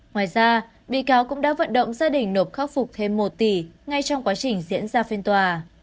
ngoài ra bị cáo cũng đã vận động gia đình nộp khắc phục thêm một tỷ ngay trong quá trình diễn ra phiên tòa